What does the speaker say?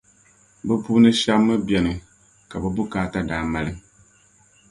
bɛ puuni shεba mi beni ka bɛ bukaata daa mali